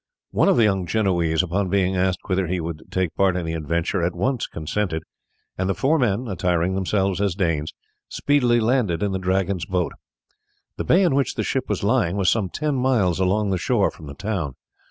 One of the young Genoese, upon being asked whether he would take part in the adventure, at once consented, and the four men, attiring themselves as Danes, speedily landed in the Dragon's boat. The bay in which the ship was lying was some ten miles along the shore from the town.